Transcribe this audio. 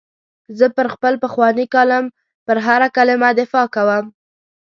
زه پر خپل پخواني کالم پر هره کلمه دفاع کوم.